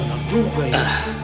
gawat juga ya